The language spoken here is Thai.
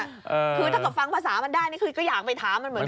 คือถ้าก็ฟังภาษามันได้ก็อยากไปถามมันเหมือนกันนะ